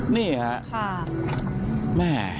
นี่ฮะค่ะ